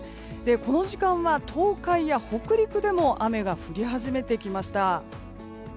この時間は東海や北陸でも雨が降り始めてきました。